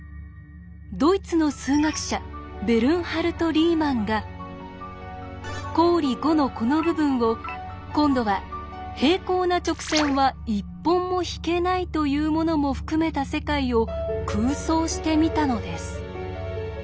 ドイツの数学者ベルンハルト・リーマンが公理５のこの部分を今度は「平行な直線は１本も引けない」というものも含めた世界を空想してみたのです。